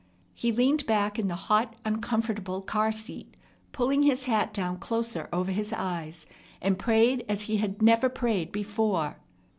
He leaned back in the hot, uncomfortable car seat, pulling his hat down closer over his eyes, and prayed as he had never prayed before.